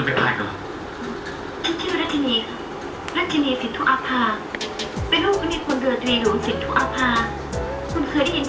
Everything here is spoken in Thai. หรือศิษฐุอภาค